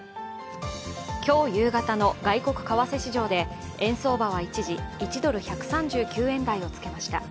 今日夕方の外国為替市場で円相場は一時、１ドル＝１３９円台をつけました。